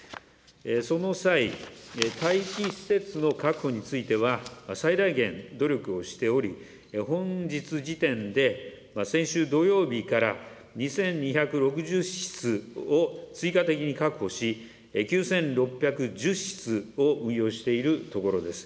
その際、待機施設の確保については、最大限努力をしており、本日時点で、先週土曜日から２２６０室を追加的に確保し、９６１０室を運用しているところです。